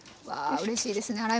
わあうれしいですね